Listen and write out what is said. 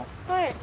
はい。